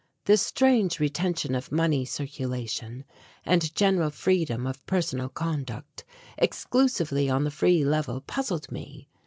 This strange retention of money circulation and general freedom of personal conduct exclusively on the Free Level puzzled me.